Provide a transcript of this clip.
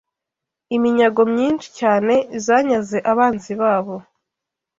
iminyago myinshi cyane zanyaze abanzi babo,